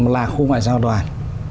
là khu ngoại giao đoàn